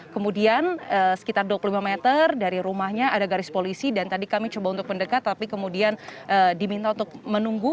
kemudian sekitar dua puluh lima meter dari rumahnya ada garis polisi dan tadi kami coba untuk mendekat tapi kemudian diminta untuk menunggu